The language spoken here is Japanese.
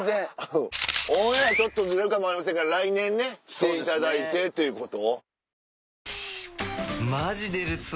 オンエアちょっとずれるかも分かりませんから来年ね来ていただいてっていうこと。